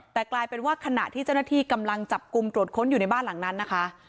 แต่กลายเป็นว่าขณะที่เจ้าหน้าที่กำลังจับกลุ่มตรวจค้นอยู่ในบ้านหลังนั้นนะคะ